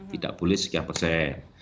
tidak boleh sekian persen